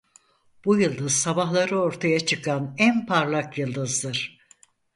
Bu yıldız sabahları ortaya çıkan en parlak yıldızdır.